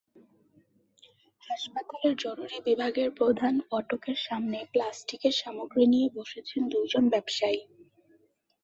হাসপাতালের জরুরি বিভাগের প্রধান ফটকের সামনেই প্লাস্টিকের সামগ্রী নিয়ে বসেছেন দুজন ব্যবসায়ী।